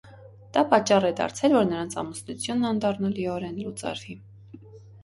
Դա պատճառ է դարձել, որ նրանց ամուսնությունն անդառնալիորեն լուծարվի։